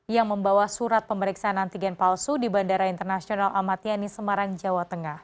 yang membawa surat pemeriksaan antigen palsu di bandara internasional amat yani semarang jawa tengah